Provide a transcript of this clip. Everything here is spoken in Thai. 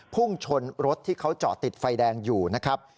พุ่งชนรถที่เขาจอดติดไฟแดงอยู่นะครับ